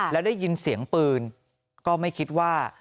แล้วได้ยินเสียงปืนก็ไม่คิดว่า